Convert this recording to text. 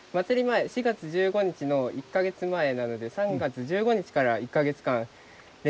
前４月１５日の１か月前なので３月１５日から１か月間練習します。